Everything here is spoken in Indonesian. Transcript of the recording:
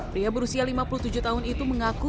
pria berusia lima puluh tujuh tahun itu mengaku